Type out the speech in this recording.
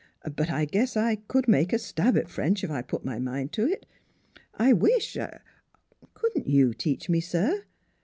" But I guess I could make a stab at French if I put my mind to it. I wish I Couldn't you teach me, sir!